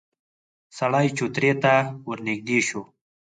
سړی چوترې ته ورنږدې شو.